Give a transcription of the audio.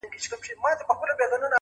o د يوه پېچ کېدی، بل کونه ځيني غوښته.